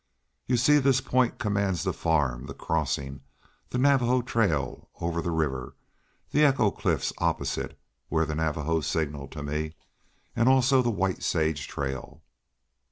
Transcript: You see this point commands the farm, the crossing, the Navajo Trail over the river, the Echo Cliffs opposite, where the Navajos signal to me, and also the White Sage Trail."